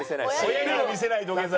親には見せない土下座。